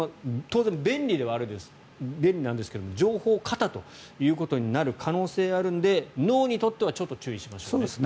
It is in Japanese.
当然便利なんですけども情報過多ということになる可能性があるので脳にとっては注意しましょうと。